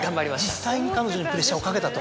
実際に彼女にプレッシャーをかけたと。